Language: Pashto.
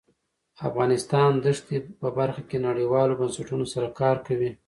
افغانستان د ښتې په برخه کې نړیوالو بنسټونو سره کار کوي.